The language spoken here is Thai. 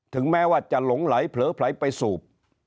แม้ว่าจะหลงไหลเผลอไผลไปสูบ